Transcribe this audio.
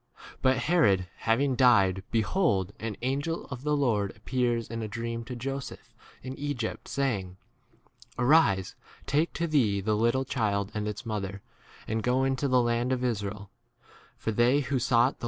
19 But Herod having died, behold, an angel of [the] Lord appears in a dream to Joseph in Egypt, say 20 ing, Arise, take to [thee] the little child and its mother, and go into the land of Israel : for they who 1 Or 'learned.'